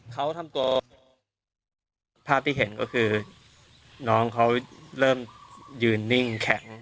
เขาทำตัวภาพที่เห็นก็คือน้องเขาเริ่มยืนนิ่งแข็ง